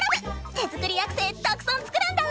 手作りアクセたくさん作るんだぁ！